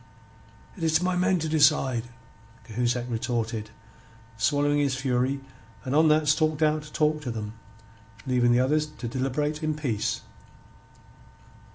"It is to my men to decide," Cahusac retorted, swallowing his fury, and on that stalked out to talk to them, leaving the others to deliberate in peace.